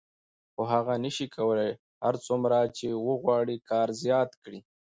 خو هغه نشي کولای هر څومره چې وغواړي کار زیات کړي